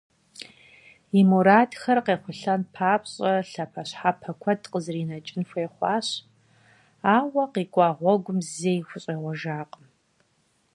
И мурадхэр къехъулӀэн папщӀэ лъэпощхьэпо куэд къызэринэкӀын хуей хъуащ, ауэ къикӀуа гъуэгум зэи хущӀегъуэжакъым.